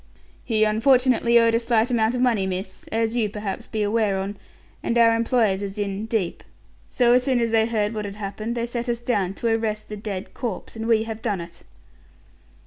"He unfortunately owed a slight amount of money, miss as you, perhaps, be aware on, and our employers is in, deep. So, as soon as they heard what had happened, they sent us down to arrest the dead corpse, and we have done it."